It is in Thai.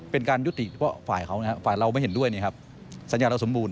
เป็นการยุติเพราะฝ่ายเราไม่เห็นด้วยสัญญาเราสมบูรณ์